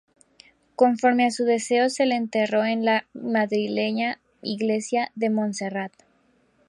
Conforme a su deseo, se le enterró en la madrileña iglesia de Montserrat.